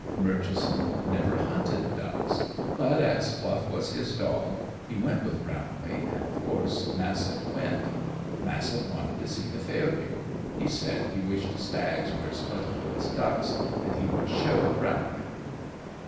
Murchison never hunted ducks, but as Fluff was his dog, he went with Brownlee, and of course Massett went. Massett wanted to see the failure. He said he wished stags were as plentiful as ducks, and he would show Brownlee!